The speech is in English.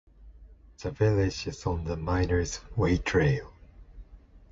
The village is on the Miner's Way Trail.